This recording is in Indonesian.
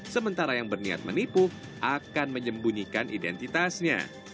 sementara yang berniat menipu akan menyembunyikan identitasnya